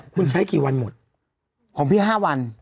พี่โอ๊คบอกว่าเขินถ้าต้องเป็นเจ้าภาพเนี่ยไม่ไปร่วมงานคนอื่นอะได้